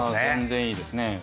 全然いいですね。